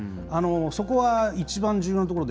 そこは一番重要なところで。